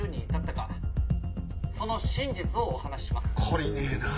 懲りねえなぁ。